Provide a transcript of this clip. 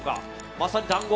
まさに団子。